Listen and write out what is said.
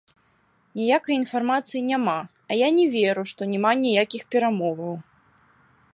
Ніякай інфармацыі няма, а я не веру, што няма ніякіх перамоваў.